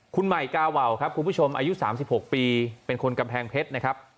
คุณใหม่กาวาวครับคุณผู้ชมอายุ๓๖ปีเป็นคนกำแพงเพชรนะครับ